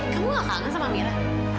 kamu gak kangen sama mira